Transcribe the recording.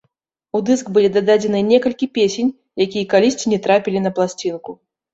У дыск былі дададзеныя некалькі песень, якія калісьці не трапілі на пласцінку.